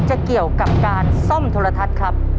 เกี่ยวกับการซ่อมโทรทัศน์ครับ